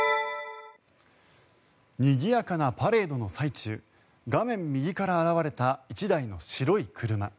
にぎやかなパレードの最中画面右から現れた１台の白い車。